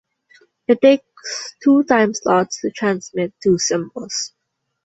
It takes two time-slots to transmit two symbols.